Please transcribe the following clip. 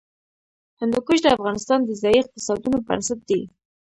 هندوکش د افغانستان د ځایي اقتصادونو بنسټ دی.